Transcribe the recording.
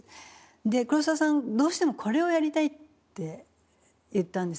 で黒澤さんどうしてもこれをやりたいって言ったんです。